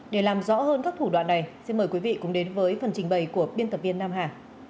để làm rõ hơn các thủ đoạn này xin mời quý vị cùng đến với phần trình bày của biên tập viên nam hà